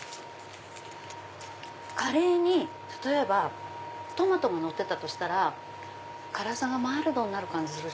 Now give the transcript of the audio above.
カレーに例えばトマトがのってたとしたら辛さがマイルドになる感じがする。